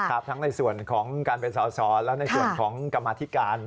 ครับทั้งในส่วนของการเป็นสอสอและในส่วนของกรรมธิการ